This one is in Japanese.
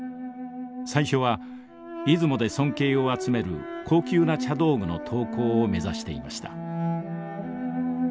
最初は出雲で尊敬を集める高級な茶道具の陶工を目指していました。